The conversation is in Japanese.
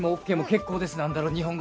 「結構です」